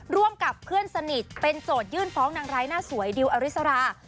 ร่วมกับเพื่อนสนิทเป็นโจทยื่นฟ้องนางร้ายหน้าสวยดิวอริสรา